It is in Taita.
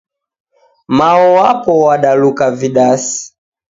Mao wapo wadaluka vidasi.